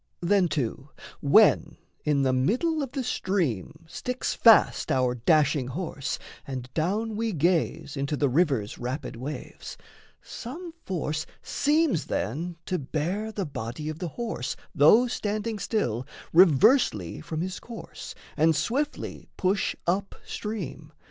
Then too, when in the middle of the stream Sticks fast our dashing horse, and down we gaze Into the river's rapid waves, some force Seems then to bear the body of the horse, Though standing still, reversely from his course, And swiftly push up stream.